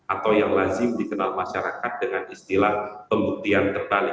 atau yang lazim dikenal masyarakat dengan istilah pembuktian tertali